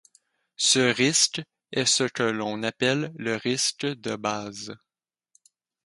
Ce risque est ce que l'on appelle le risque de base.